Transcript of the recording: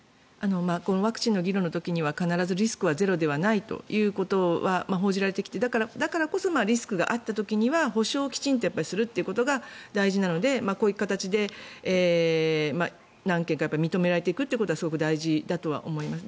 このワクチンの議論の時には必ずリスクはゼロではないということが報じられてきてだからこそリスクがあった時は補償をきちんとすることが大事なのでこういう形で何件か認められていくことはすごく大事だとは思います。